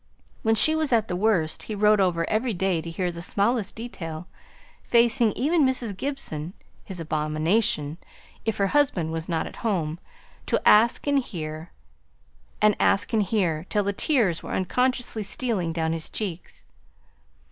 When she was at the worst, he rode over every day to hear the smallest detail, facing even Mrs. Gibson (his abomination) if her husband was not at home, to ask and hear, and ask and hear, till the tears were unconsciously stealing down his cheeks.